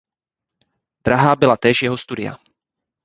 Drahá byla též jeho studia.